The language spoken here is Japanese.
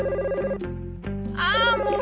ああもう！